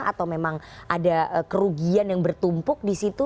atau memang ada kerugian yang bertumpuk di situ